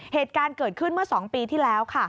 เหตุการณ์เกิดขึ้นเมื่อ๒ปีที่แล้วค่ะ